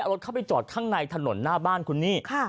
รถเข้าไปจอดข้างในถนนหน้าบ้านคุณนี่